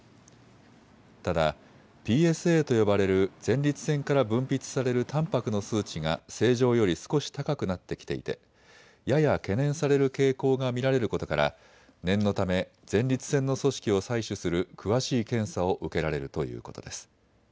ただＰＳＡと呼ばれる前立腺から分泌されるたんぱくの数値が正常より少し高くなってきていて、やや懸念される傾向が見られることから念のため前立腺の組織を採取する詳しい検査を受けられるということです。